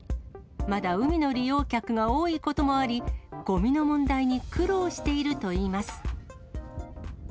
まだ海の利用客が多いこともあり、ごみの問題に苦労しているといいます。